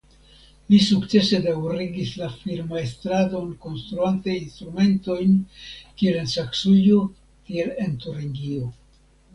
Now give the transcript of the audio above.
Li sukcese daŭrigis la firmaestradon konstruante instrumentojn kiel en Saksujo tiel en Turingio.